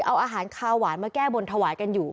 เอาอาหารคาวหวานมาแก้บนถวายกันอยู่